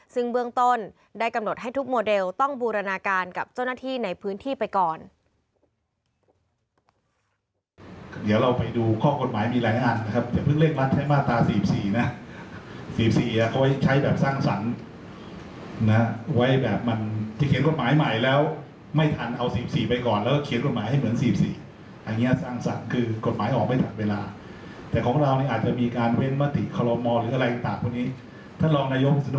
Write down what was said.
ซึ่งเบื้องต้นได้กำหนดให้ทุกโมเดลต้องบูรณาการกับเจ้าหน้าที่ในพื้นที่ไปก่อน